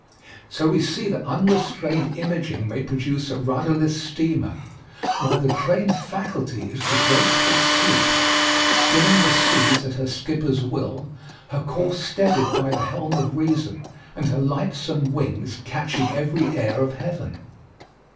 So we see that unrestrained imaging may produce a rudderless steamer, while the trained faculty is the graceful sloop, skimming the seas at her skipper's will, her course steadied by the helm of reason and her lightsome wings catching every air of heaven.